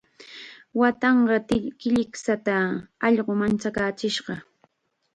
Waatanqaa killikshata allqu manchachishqa.